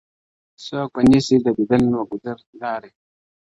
څوك به نيسي د ديدن د ګودر لاري؛